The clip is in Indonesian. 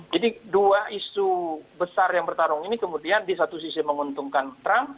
jadi dua isu besar yang bertarung ini kemudian di satu sisi menguntungkan trump